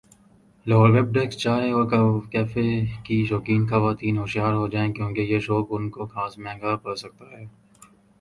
Lahore web desk چائے اور coffee کی شوقین خواتین ہوشیار ہوجائیں کیونکہ یہ شوق ان کو خاص مہنگا پڑ سکتا ہے